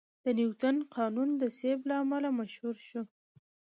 د نیوتن قانون د سیب له امله مشهور شو.